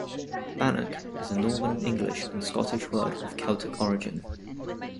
"Bannock" is a Northern English and Scottish word of Celtic origin.